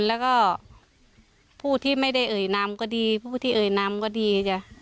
แล้วก็ผู้ที่ไม่ได้เอ่ยนำก็ดีผู้ที่เอ่ยนำก็ดีจ้ะ